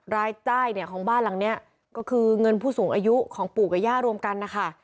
รายได้เนี่ยของบ้านหลังนี้ก็คือเงินผู้สูงอายุของปู่กับย่ารวมกันนะคะ